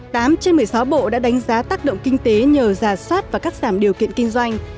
tám trên một mươi sáu bộ đã đánh giá tác động kinh tế nhờ giả soát và cắt giảm điều kiện kinh doanh